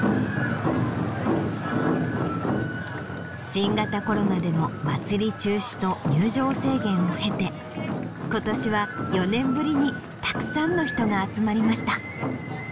新型コロナでのまつり中止と入場制限を経て今年は４年ぶりにたくさんの人が集まりました。